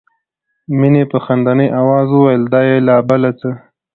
مينې په خندني آواز وویل دا یې لا بله څه ده